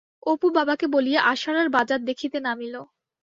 অপু বাবাকে বলিয়া আষাঢ়ার বাজার দেখিতে নামিল।